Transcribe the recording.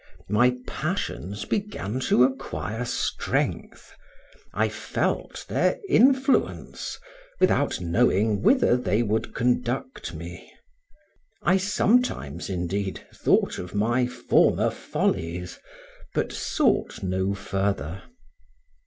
My passions began to acquire strength, I felt their influence, without knowing whither they would conduct me. I sometimes, indeed, thought of my former follies, but sought no further.